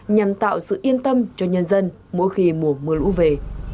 nhằm tạo sự yên tâm cho nhân dân mỗi khi mùa mưa lũ về